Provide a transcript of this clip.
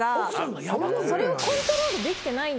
それをコントロールできてない。